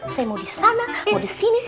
saya mau disana mau disini